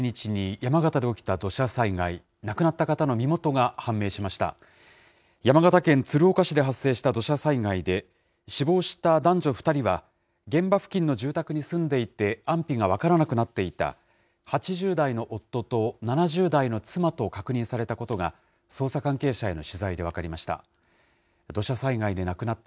山形県鶴岡市で発生した土砂災害で、死亡した男女２人は、現場付近の住宅に住んでいて、安否が分からなくなっていた８０代の夫と７０代の妻と確認されたことが、捜査関係者への取材で分かりました。